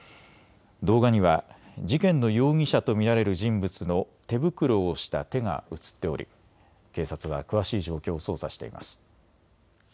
動画には事件の容疑者と見られる人物の手袋をした手が写っており警察は詳しい状況を捜査しています。